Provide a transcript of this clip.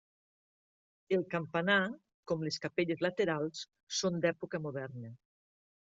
El campanar, com les capelles laterals, són d'època moderna.